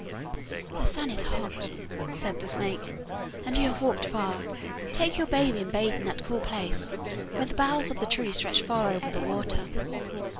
'The sun is hot,' said the snake, 'and you have walked far. Take your baby and bathe in that cool place where the boughs of the tree stretch far over the water.